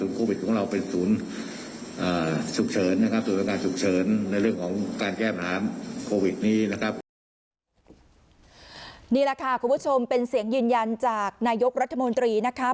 นี่แหละค่ะคุณผู้ชมเป็นเสียงยืนยันจากนายกรัฐมนตรีนะคะ